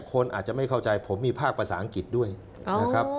คนอาจจะไม่เข้าใจผมมีภาคภาษาอังกฤษด้วยนะครับ